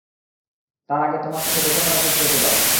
তার আগে তোমার সাথে বোঝা-পড়া শেষ করতে দাও।